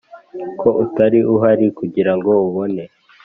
ko utari uhari kugirango ubone